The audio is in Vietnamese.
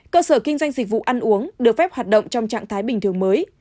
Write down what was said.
cơ sở kinh doanh dịch vụ ăn uống được phép hoạt động trong trạng thái bình thường mới